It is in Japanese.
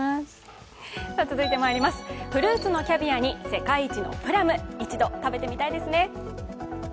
フルーツキャビアに世界一のプラム一度食べてみたいですね。